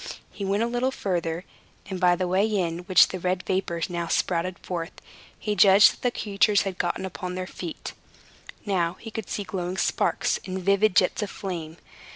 He went a little farther, and by the way in which the red vapor now spouted forth, he judged that the creatures had got upon their feet. Now he could see glowing sparks, and vivid jets of flame.